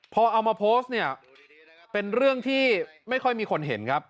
พอเอามาโพสต์เนี่ยเป็นเรื่องที่ไม่ค่อยมีคนเห็นครับ